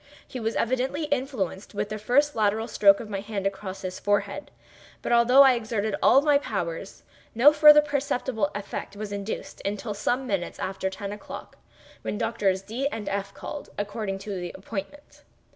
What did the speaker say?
He was evidently influenced with the first lateral stroke of my hand across his forehead; but although I exerted all my powers, no further perceptible effect was induced until some minutes after ten o'clock, when Doctors D—— and F—— called, according to appointment.